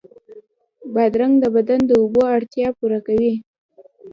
بادرنګ د بدن د اوبو اړتیا پوره کوي.